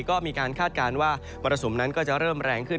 ก็มีการคาดการณ์ว่ามรสุมนั้นก็จะเริ่มแรงขึ้น